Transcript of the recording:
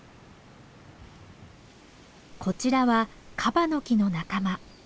こちらはカバノキの仲間。